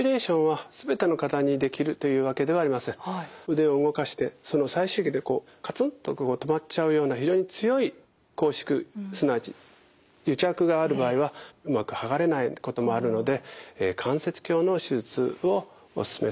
腕を動かしてその最終域でこうカツンと止まっちゃうような非常に強い拘縮すなわち癒着がある場合はうまくはがれないこともあるので関節鏡の手術をおすすめすることが多いと思います。